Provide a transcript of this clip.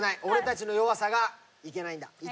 俺たちの弱さがいけないんだ。